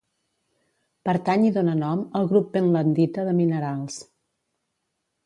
Pertany i dóna nom al grup pentlandita de minerals.